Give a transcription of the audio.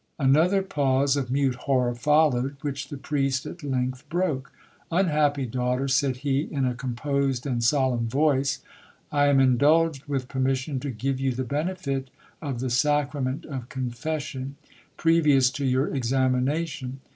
'Another pause of mute horror followed, which the priest at length broke.—'Unhappy daughter,' said he in a composed and solemn voice, 'I am indulged with permission to give you the benefit of the sacrament of confession, previous to your examination.